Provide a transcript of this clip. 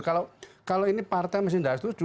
kalau ini partai masih gak setuju